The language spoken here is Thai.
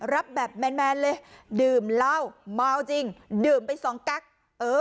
รับแบบแมนเลยดื่มเหล้าเมาจริงดื่มไปสองกั๊ก